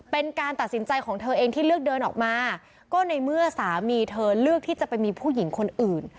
เป็นการตัดสินใจของเธอเองที่เลือกเดินออกมาก็ในเมื่อสามีเธอเลือกที่จะไปมีผู้หญิงคนอื่น